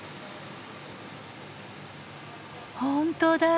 本当だ！